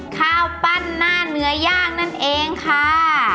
ข้าวปั้นหน้าเนื้อย่างนั่นเองค่ะ